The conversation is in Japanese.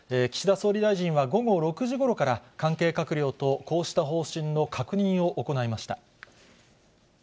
岸田総理大臣は午後６時ごろから、関係閣僚とこうした方針の確認を行いました。